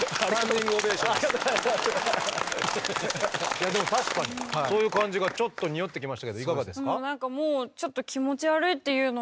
いやでも確かにそういう感じがちょっとにおってきましたけどいかがですか？